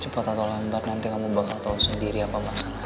cepat atau lambat nanti kamu bakal tahu sendiri apa masalah